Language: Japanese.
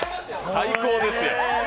最高ですよ。